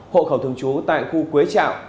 hộ khẩu thường trú tại khu quế trạo